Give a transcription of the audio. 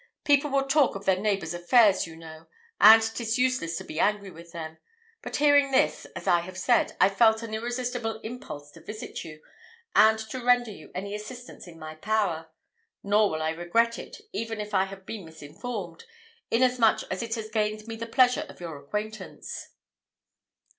"People will talk of their neighbours' affairs, you know; and 'tis useless to be angry with them but hearing this, as I have said, I felt an irresistible impulse to visit you, and to render you any assistance in my power. Nor will I regret it, even if I have been misinformed, inasmuch as it has gained me the pleasure of your acquaintance."